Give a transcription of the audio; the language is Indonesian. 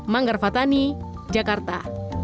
manggar fathani jakarta